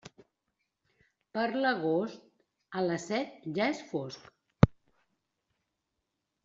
Per l'agost, a les set ja és fosc.